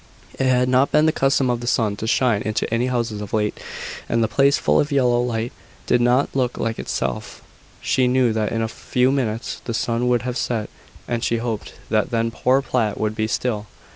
It had not been the custom of the sun to shine into any houses of late; and the place full of yellow light, did not look like itself. She knew that in a few minutes the sun would have set; and she hoped that then poor Platt would be still.